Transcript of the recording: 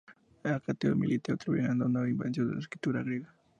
Hecateo de Mileto atribuye a Dánao la invención de la escritura griega.